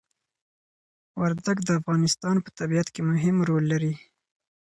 وردګ د افغانستان په طبيعت کي مهم ړول لري